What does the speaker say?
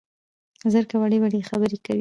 زرکه وړې وړې خبرې کوي